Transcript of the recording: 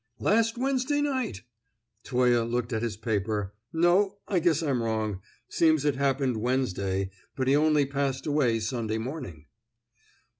"Last Wednesday night!" Toye looked at his paper. "No, I guess I'm wrong. Seems it happened Wednesday, but he only passed away Sunday morning."